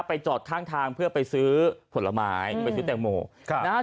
ไปจอดทางเพื่อไปซื้อผลไม้ไปซื้อแตงโหม